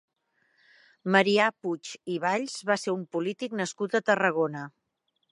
Marià Puig i Valls va ser un polític nascut a Tarragona.